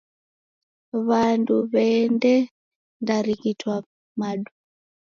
W'andu w'eedendarighitwa madu.